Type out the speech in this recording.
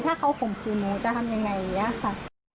ถ้าเขาข่มขืนหนูจะทำยังไงอย่างนี้ค่ะ